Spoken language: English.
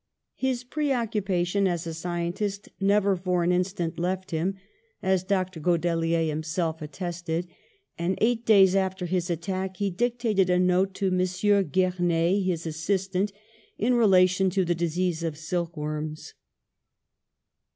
His preoccupation as a scientist never for an instant left him, as Dr. 96 PASTEUR Godelier himself attested, and eight days after his attack he dictated a note to M. Gernez, his assistant, in relation to the diseases of silk worms.